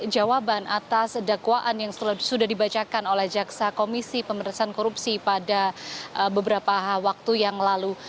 jawaban atas dakwaan yang sudah dibacakan oleh jaksa komisi pemerintahan korupsi pada beberapa waktu yang lalu